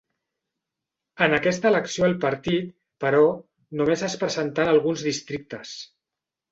En aquesta elecció el partit, però, només es presentà en alguns districtes.